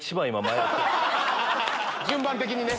順番的にね。